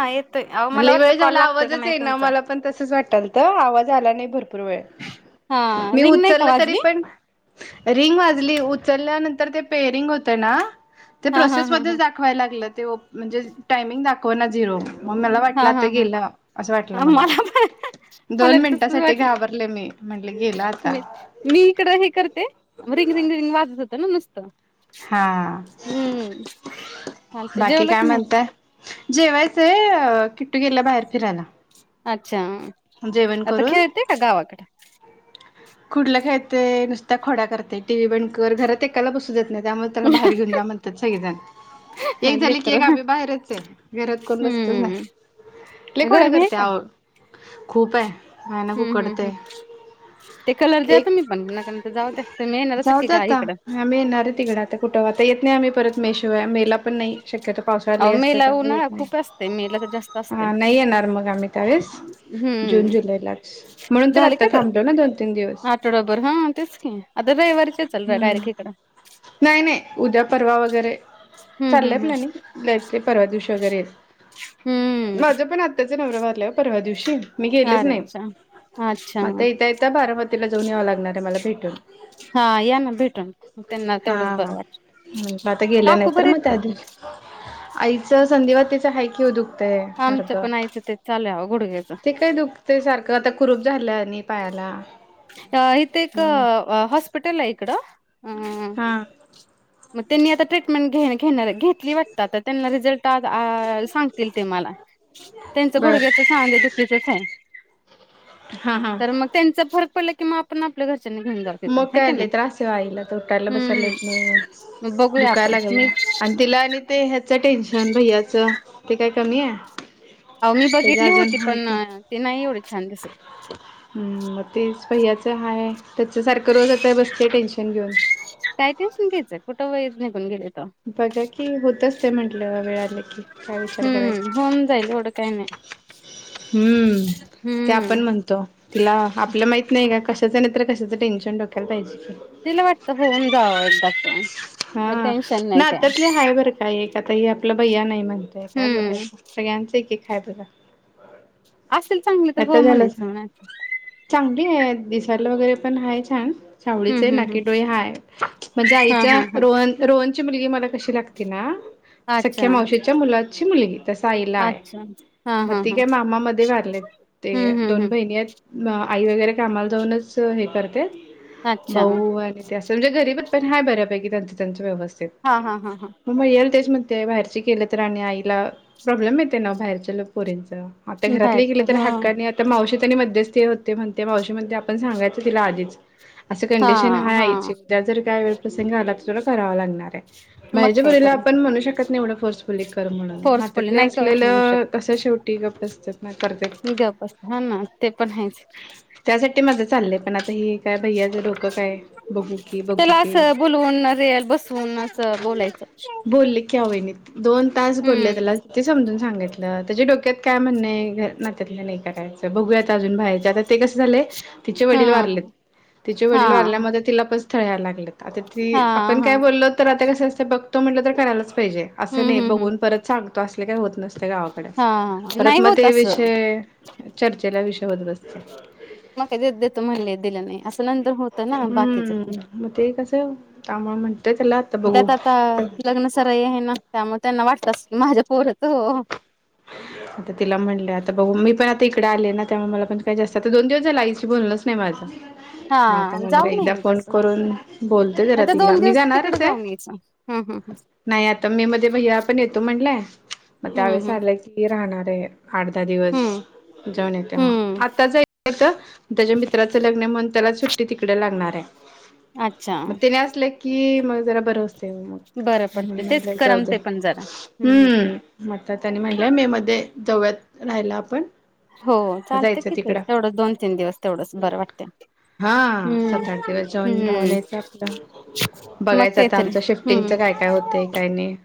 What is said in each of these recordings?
हा येतोय अहो मला लई वाटलं वेळ कॉल झाला लागतोय का आवाजच नाही येईना तुमचा. मला. पण तसच वाटलत आवाज आला नाही भरपूर वेळ, हा मी रिंग नाही का उचलल तरी वाजली पण रिंग वाजली उचल्यानंतर ते पेरिंग होत ना, ते हा हा हा प्रोसेसमध्ये दा होया लागलं ते ओप म्हणजे टायमिंग दाखव ना झिरो. मग मला वाटलं हा हा आता हा गेला असं वाटलं हा मला पण मला दोन बी तसच मिनिटांसाठी वाटलं घाबरले मी. म्हटलं गेला आता. मी मी इकडं हे करते रिंग रिंग रिंग वाजत होतं ना नुसतं. हा हम्म चालतंय बाकी जेवलं काय की नाही म्हणताय? जेवायचंय अ किटू गेल्या बाहेर फिरायला. अच्छा! जेवण आता करून खेळते का गावाकडं. कुडलं खेळते नुसत्या खोड्या करतेय टीव्ही बंद कर घरात एक त्याला बसू देत नाही त्यामुळे त्याला बाहेर घेऊ जा म्हणत्यात सगळेजण. एक झाली की एक लेकरं आम्ही बाहेरच हाय घरात कोण बसतच न्हाय. हम्म लय खोड्या गरमी आहे करत्या का आव. खूप हाय, भयानक हम्म हम्म हम्म उखडतय. ते कलर द्या एक, तुम्ही पण नका नंतर जाऊ द्या तुम्ही येणारच आहे की जाऊदे गा आता इकडं आम्ही येणार आहे तिकडे आता. कुठं आता येत नाही परत आम्ही मे शिवाय मे ला पण नाही शक्यतो पावसाळ्यात अहो लय मे ला असत्यात उन्हाळा येत नाही खूप असतंय मे ला तर जास्त असतंय. अ नाही येणार मग आम्ही त्यावेळेस. जून हम्म जुलैलाच म्हणून तर आत्ता थांबतोय ना दोन तीन दिवस. बरोबर हा तेच की आता रविवारच्याच हं, नाय नाय उद्या परवा वगैरे हम्म चाललंय हम्म हम्म प्लॅनिंग. नाही ते परवा दिवशी वगैरे, हम्म माझ्या पण आत्याचा नवरा वारलाय परवा दिवशी. मी गेलेच अरे नाही अच्छा अच्छा आता येता येता बारामतीला जाऊन यावं लागणार आहे मला भेटून. हा या ना भेटुन. हा म्हटलं आता गेलं नाही काकू तर बरे मग आहेत त्या का ते दिवशीं हा आईच संधीवाताच हायच किव दुखतय आमच्या सारखं पण आईचं ते चालू आहे गुडघ्याचं ते काय दुख ते सारखं आता आणि कुरूप झालं आहे आणि पायाला अ इथे एक ते अ हॉस्पिटल आहे इकडं. अ हां मग त्यांनी आता ट्रीटमेंट घ घेणार हायत घेतली वाटत तर त्यांना आज अ रिझल्ट सांगतील ते मला. त्यांचं बर गुडघ्याच सांधे दुखीचच आहे. हा हा तर मग त्यांच्यात फरक पडला की मग पण आपल्या घरच्यांनी घेऊन जात होता मग हाय काय का आले नाय. त्रास आहे ओ आईला तर उठायला बसायला येत नाही मग बघूया दुखाय आपण लागलंय आणि तिला आणि ते ह्याच टेन्शन भैयाच ते काय कमी आहे? आम्ही त्याच्या बघितली अजून होती हाय पण की ते नाही एवढे छान दिसत. मग तेच भैयाच हाय त्याचं सारखं रोजचं आहे बसते टेन्शन घेऊन. काय ती सून घ्यायचं कुठं व निघून गेले तर. बघा कि होतच ते म्हंटलं वेळ आली की काय विचार करायच. हम्म होऊन जाईल एवढ काय नाय. हं.. ते हम्म आपण म्हणतो तिला आपल माहित नाही काय कशाचं नाही तर कशाच टेनशन डोक्यायला पाहिजे. तिला वाटत सगळ्यांनी जावं पटकन मग टेन्शन नाही. काय की हाय बर काय एक आता हे आपल्या भैया नाही म्हण. तर काय हम्म बोलायचं सगळ्यांचं एक एक आहे बघा. आसल चांगल तर हो आता झालं म्हणायचं म्हणा. चांगली हाय अगदी दिसायला वगैरे पण हाय छान. सावळीच हम्म हाय हम्म हम्म नाकीडोळे हाय म्हणजे हा आईच्या हा हा रोहन रोहन तुमची मुलगी मला कशी लागते ना अच्छा सख्या मावशीच्या मुलाची मुलगी. तसा आईला आहे. अच्छा हा मग हा ति हा काय मामा मध्ये वारले ते हम्म हम्म दोन हम्म बहिणी आहेत. आई वगैरे कामाला जाऊनच हे करते. अच्छा भाऊ आणि त्या म्हनजे गरीब पण आहे. बऱ्यापैकी त्यांच त्यांच्या व्यवस्थित. हा. हा. हा. हां. मग भैयाला तेच म्हणते. बाहेरची केलं तर. आणि आईला प्रॉब्लेम येते ना बाहेरच्या ल पोरींच. आता घरातले बाहेरच गेले तर हा हक्कानी. तर मावशी त्यांनी मध्यस्थी होते. म्हणते मावशीमध्ये आपण सांगायचं तिला आधीच. असं हा कंडिशन हाय हा आईची. उद्या जर काय वेळ प्रसंगी आला तर तुला करावा लागणार आहे. मग बाहेरच्या मुलीला कायतरी आपण म्हणू शकत नाही एवढं फोर्सफुली कर म्हणून. फोर्सफुली नात्यातले नाही करूच म्हणू असलेलं. कस शेवटी गप्प असतात. ना करतात गपस हा ना. ते पण आहेच. त्यासाठी माझं चाललंय. पण आता काय भै्याचं डोक काय की बघू की. बुलवून रेल बसवून असं बोलायचं. बोलले की आहों वाहिनी. दोन तास हम्म बोलले त्याला. किती समजून सांगितलं. त्याच्या डोक्यात काय म्हणणें नात्यातलं नाही करायचं. बघूया आता अजून बाहेयचं आ. ते कसे झालय तिचे हा वडील वारलेत. तिचे हा वडील वारल्यामुळे तिला पण स्थळ यायलागलेत आता ती. हा आपण हा काय बोललो. तर आता कस असत. बघतो म्हटल तर करायलाच पाहिजे असं हम्म नाही हम्म हम्म बघून परत सांग. असल काय होत नसते. गावाकडे हा नाही परत मग होत ते असं विषय. चर्चेला विषय होत बसतो. म काय देतो देतो म्हणले दिलं नाही, असं नंतर होतं ना बाकीच पण मग ते कसं त्यामुळ म्हणतोय त्याला बघू त्यात आता लग्न सराई आहे ना त्यामुळ त्यांना वाटत की माझ्या पोरच होवो. [inaudible] आता तिला म्हणले आता बघू मी पण आता इकडे आले ना त्यामुळे मला पण काय जास्त आता दोन दिवस झाले आईशी बोलनच नाही माझं मग आता हा म्हणलं जाऊन एकदा येईल फोन तस नाही करून बोलते जरा तर तिला दोन मी दिवस तिकडे जाणारच आहे. जाऊन यायचं हम्म हम्म हम्म. नाही आता मे मध्ये भैया पण येतो म्हणलाय, मग हम्म त्यावेळेस हम्म आलं की राहणार ये. आठ दहा दिवस हम्म जाऊन येते मग, हम्म आत्ताच येत. त्याच्या मित्राचं लग्न ये म्हणून त्याला सुट्टी तिकडे लागणार आहे. अच्छा! ते असल की मग जरा बर असतय. बरं पडते म्हणून तेच म्हटलं जाऊ दे, करमते पण जरा हम्म. मग आत्ता त्यांनी म्हणलाय मे मध्ये जाऊयात राहायला आपण हो मग चालते जायचं कि तिकडं तेवढं दोन-तीन दिवस तेवढंच बरं वाटते. हा सात-आठ दिवस जाऊन राहून यायचं आपलं मग बघायचं आता काहीतरी आमच शिफ्ट शिफ्टिंगच हम्म काय काय होते काय नाही.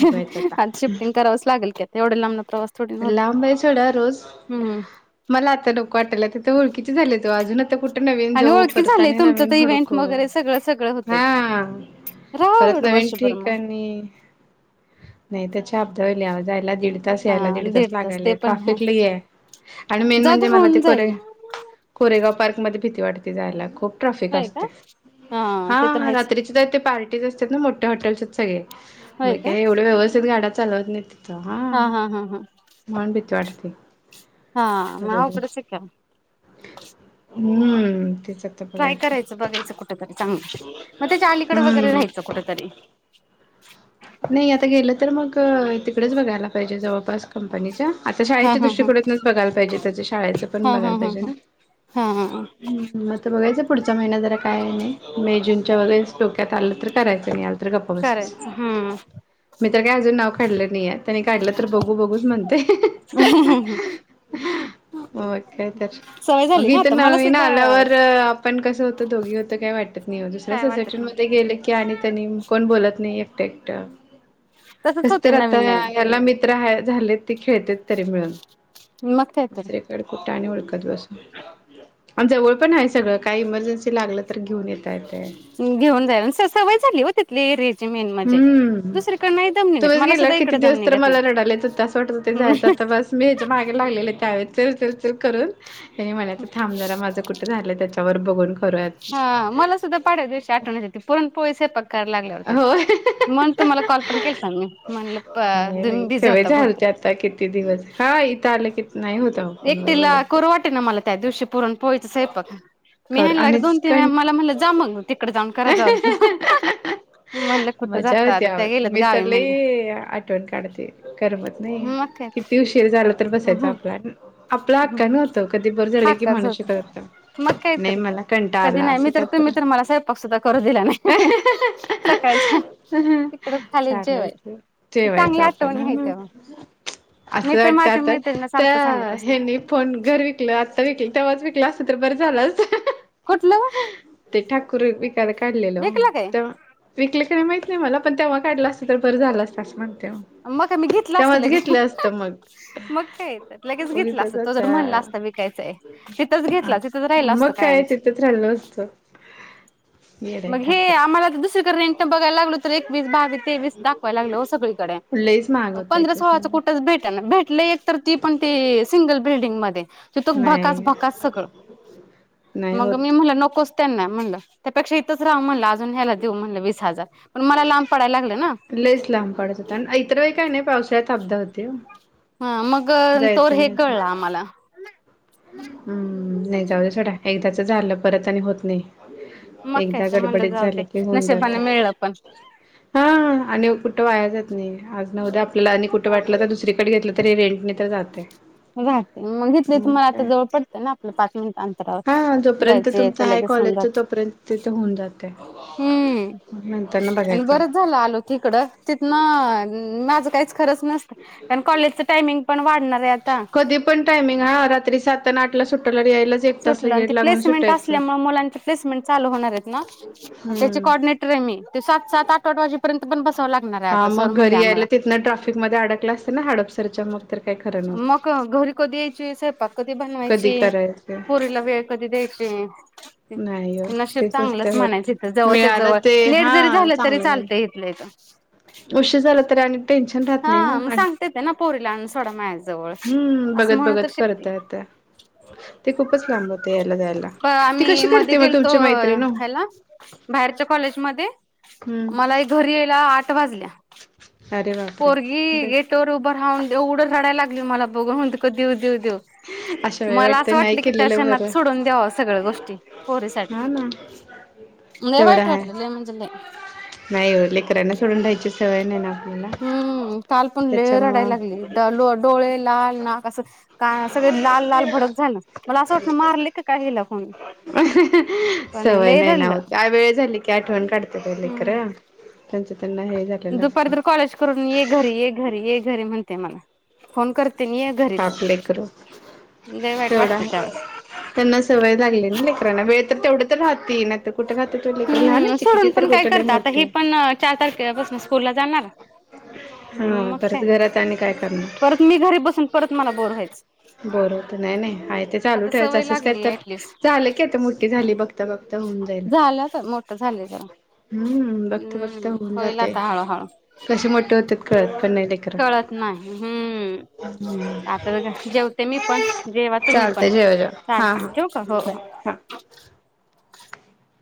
बघायचं आता आज शिफ्टिंग करावच लागेल की एवढ्या लांबन प्रवास थोडी ना होत. लांब आहे सोडा रोज हम्म मला आत्ता नको वाटलाय आता तिथं ओळखीचे झालेत ओ अजून आता कुठ कुठं नवीन आणि जाऊ ओळखी परत झाले आणि तुमचं नवीन तर इव्हेंट हुडकू, वगैरे सगळं सगळं होतंय हा. राहावं परत एवढं नवीन वर्षभर मग ठीकाणी नाही त्या व्हायल्या जायला दीड तास हा यायला दीड तास ते लागायलाय. पण हाय ट्राफिक लई ये आणि मेन जाऊदे म्हणजे मला ते होऊन जाईल. कोरे कोरेगाव पार्क मध्ये भीती वाटते जायला खूप ट्राफिक होय का असतय, ते तर हा आहेच रात्रीच पार्टीज असत्यात ना मोठ्या हॉटेल्स आहेत सगळे मग होय का काय एवढ्या व्यवस्थित गाड्या चालवत नाही. हा जां. हा हा हा. म्हणून भीती वाटते. हा आता मग बघू. हम्म तिच ट्राय करायचं बघायचं कुठतरी चांगलं मग त्याच्या अलीकड वगैरे हम्म. राहायचं कुठतरी नाही आता गेलं तर मग तिकडच बघायला पाहिजे जवळपास कंपनीच्या आता हा शाळेच्या हा हा दृष्टीकोनातनच बघायला पाहिजे त्याच्या शाळेचं पण हा हा बघायला हा पाहिजे हा ना हा हा. हम्म, मग आता बघायचं पुढच्या महिना जरा काय आहे नाही. मे जूनच्या वगरैच डोक्यात आलं तर करायचं नाही आलं तर गप्प बसायच. करायचं हम्म. मी तर काय अजून नाव काढलं नाहीये त्यानी काढलं तर बघू बघूच म्हणते. होय काय तर सवय झाली मग ना इथं आता मला नवीन सुद्धा आल्यावर आपण कसं होतं दोघी होतो काही वाटत नाही दुसऱ्या काय सोसायटी वाटत नाही मध्ये गेले की आणि त्यांनी कोण बोलत नाही एकटे एकटं तसच होते कसतर आत्ता नवीन नवीन. ह्याला मी मित्र झालेत ते खेळतेत तरी मिळून, मग काय तर दुसरीकडे कुठ आणि ओळख आणि जवळ पण आहे सगळ काही इमर्जन्सी लागल तर घेऊन पण येता येतय. घेऊन जाय [unintelligible] सवय झाली हो. तिथली एरियाची मेन म्हणजे हम्म दुसरीकड नाही दम नीघत तुम्हीच मला गेल्यावर सुद्धा इकड दम नीघत नाही. ते जायच आता बास. मी ह्याच्या मागे लागलेले त्यावेळेस चल चल करून त्यानी म्हणायच थांब जरा माझ कुठ कुठ झालय त्याच्यावर बघून. करूयात हा मला सुद्धा पाडव्या दिवशी आठवण येत होती पुरण पोळीचा स्वयंपाक कराय लागल्या होत्या. होय म्हणून तुम्हाला कॉल पण केलता मी म्हणल तुम्ही बिझी होता बहुतेक. होता किती दिवस हा इथ आल कि नाही होत आओ फोन वर एकटीला बोलायच करू वाटे ना मला त्या दिवशी पुरण पोळीचा स्वयंपाक. मी कर ह्यांना आणि दोन तीन काय? वेळा मला म्हणलं जा मग तिकडे जाऊन करा जाऊन. म्हणलं कुठं मज्जा जाता होती आता त्या आवो गेल्यात मी गावी तर म्हणलं. लई आठवण काढते करमत नाही. मग काय किती उशीर झाला तर बसायच आपल आपल हक्कान होत कधी बर झालय की हाकाच म्हणून [unintelligible] करत होता मग नाही कायतरी. मला कधी कंटाळा आला नाही असू मी तर तुम्ही तर मला स्वयंपाक सुद्धा करू दिला नाही. सकाळच्या [unintelligible] तिकडं खाली जेवाय चालायच जेवायच चांगल्या आपण हा आठवणी आहेत ना. त्या. अस मी तर वाटतय माझ्या आता मैत्रिणीला त्या सारखं सांगत असते ह्यांनी फोन घर विकल आत्ता विकल तेव्हाच विकल असत तर बर झाल असत. कुठल ओ. ते ठाकूर विकायला काढलेल ओ. विकला काय? विकल का नाही माहित नाही मला पण तेव्हा काढल असत तर बर झाल असत अस म मग काय मी घेतलं असतं तेव्हाच लगे घेतल असत मग. मग कायेतर लगेच घेतल उगीचच असत तो जर म्हणला आता असता विकायचय तिथच घेतला तिथच राहिलो मग असतो काय कायमच. तिथंच राहिलं असतं येडय मग हे ठाकूर आम्हाला तर दुसरीकड रेंट बघायला लागलो तर एकवीस बावीस. तेवीस दाखवाय लागल हो सगळीकडे. लईच महाग. होतं पंधरा एकवीस सोळा तर मध्ये कुठच भेटना भेटल एक तर ते पण ते सिंगल बिल्डिंगमध्ये. तिथून भकास नाही भकास सगळ नाही मग मी होत म्हणल नकोच. त्यांना म्हणल त्यापेक्षा इथच रहा म्हणल अजून ह्याला देऊ म्हणल वीस हजार पण मला लांब पडायला लागल ना. लईच लांब पडत होत आणि इतर वेळी काही नाही पावसा त्यात अपदा होते हो ह मग तोवर जायचन हे कळलं यायच. आम्हाला हम्म नाही जाऊदे सोडा एकदाच झाल परत आणि होत नाही. मग एकदा कायच म्हणलं गडबडीत जाऊ झाल दे की होऊन नशिबाने जात. मिळलं पण. हां आणि कुठ वाया जात नाही आज न उद्या आपल्याला आणि कुठ वाटल तर दुसरीकडे घेतल तरी रेंटनी तरी जात. हे घ्या मग घेतले तुम्हास. जवळ पडतय ना आपल पाच मिनिट अंतरावर हा जायच यायच लगेच होऊन जातय. तिथ होऊन जातय मग नंतरण बघायच. झाल आलोत हिकड तिथन माझ काहीच खरच नसतय. कारण कॉलेजच टायमिंग पण वाढणार आहे आता. ते पण टायमिंग रात्री सातन आठला सुटायला आणि यायला. सुटल प्लेसमेंट असल्यामुळ मुलांच प्लेसमेंट चालू होणारयेत ना त्याचे हम्म. कोऑर्डीनेट. ते सात सात आठ आठ वाजेपर्यंत पण बसाव लागणारय हा आता सर मग म्हणले घरी यायला आम्हाला. तिथनं ट्राफिक मध्ये अडकले असते ना हाडपसरच्या मग. तर काही खरं नव्हतं. मग घरी कधी यायची, स्वयपाक कधी कधी बनवायची, करायचं पोरिला वेळ कधी द्यायची, नाही हो नशीब तेच असते चांगलंच होत. म्हणायचं, हितं जवळच्या मिळालं जवळ ते लेट जरी हा झालं तरी चांगलं झालं. चालतंय, हितल्या हितं. उशीर झाला तरी आणि टेन्शन राहत नाही हा ना, मग आठ सांगता येतंय ना पोरीला आणून सोडा माझ्याजवळ हं, असं बघत म्हणून तर बघत शिकते करता येतंय. ते खूपच लांब होतं यायला जायला, पण ती आम्ही कशी मध्ये करते मग गेलतो तुमची मैत्रीण ओ? ह्याला बाहेरच्या कॉलेजमध्ये हम्म मला एक घरी यायला आठ वाजल्या. अरे वा. पोरगी गेट वर उभं राहून ऐवढं रडाय लागली, मला बघून. [unintelligible] अशा वेळी मला असं वाटतं नाही वाटलं की, त्या केलेलं क्षनात बरं सोडून द्यावं सगळं गोष्टी, पोरीसाठी. हा ना लय तेवढं वाईट आहे वाटलं, लय म्हणजे लय. नाही ओ, लेकरांना सोडून रहायची सवय नाही ना. आपल्याला हं, काल पण लय रडाय त्याच्यामुळं लागली, द लो डोळे लाल, नाक असं काय सगळे लाल लाल भडक झालं, मला असं वाटलं मारलंय का काय हीला कोणी? पण सवय लय नाही रडलं नाव, त्या वेळ झाली की आठवण काढत्यात व लेकरं. त्यांच त्यांना हे जा दुपार तर कॉलेज करून ये घरी ये घरी ये घरी म्हणते मला, फोन करतेन ये घरी तू, पाप लेकरं लय वाईट तेवढं वाटतं आहे त्यावेळेस. त्यांना सवय लागली आहे ना लेकराना, वेळ तर तेवढं तर राहती, नाही तर कुठं राहतेत ओ लेकरं हम्म लहानच आहे की सोडून ती, तर पण काय कुठे लय करता आता मोठी हे आहे? पण चार तारखेला पासन स्कूलला जाणार. हम्म, मग काय परत घरात आणि काय करणार? परत मी घरी बसून परत मला बोर व्हायचं. बोर होतं, नाही नाही, आहे ते चालू आता ठेवायचं, सवय असंच काय लागली तर ऍटलिस्ट झालं की आता मोठी झाली, बघता बघता होऊन जाईल. त मोठं झालंय जरा. हम्म, बघता हम्म बघता होऊन होईल जातंय, आता हळूहळू कसे मोठे होतेत कळत पण नाही लेकरं. कळत नाही, हम्म, आता तर काय, जेव ते मी पण जेवा तुम्ही पण चालतंय जेवा जेवा हा चालते हा ठेवू का? बाय हा हो.